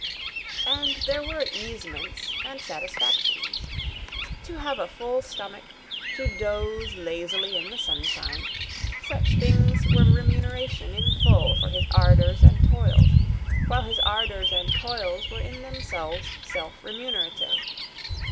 And there were easements and satisfactions. To have a full stomach, to doze lazily in the sunshine—such things were remuneration in full for his ardours and toils, while his ardours and tolls were in themselves self remunerative.